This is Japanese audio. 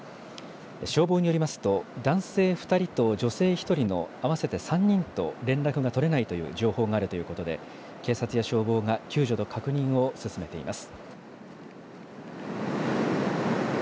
消防によりますと、男性２人と女性１人の合わせて３人と連絡が取れないという情報があるということで、警察や消防が救助と確認を進めています。